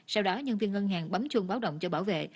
sau đó nhân viên ngân hàng bấm chuông báo động cho bảo vệ